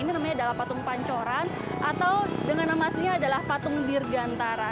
ini namanya adalah patung pancoran atau dengan namanya adalah patung birgantara